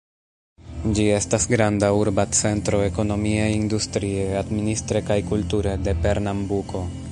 Ĝi estas granda urba centro, ekonomie, industrie, administre kaj kulture, de Pernambuko.